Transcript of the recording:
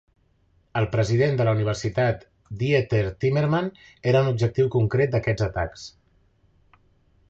El president de la universitat Dieter Timmermann era un objectiu concret d"aquests atacs.